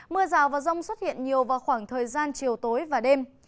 mưa rào và rông xuất hiện nhiều vào khoảng thời gian chiều tối và đêm